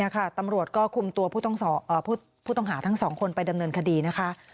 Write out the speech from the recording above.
ตำรวจก็คุมตัวผู้ต้องหาทั้ง๒คนไปดำเนินคดีนะคะ